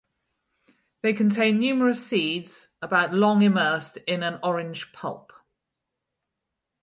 They contain numerous seeds about long immersed in an orange pulp.